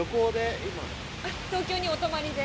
東京にお泊まりで？